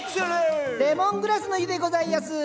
レモングラスの湯でございやす！